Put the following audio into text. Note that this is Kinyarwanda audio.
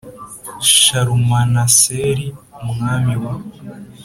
Shalumaneseri f umwami wa